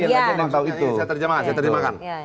maksudnya ini saya terjemahkan saya terjemahkan